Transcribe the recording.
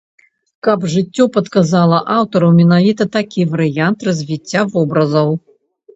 Каб жыццё падказала аўтару менавіта такі варыянт развіцця вобразаў.